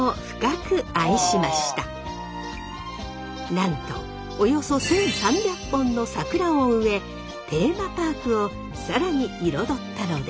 なんとおよそ１，３００本の桜を植えテーマパークを更に彩ったのです。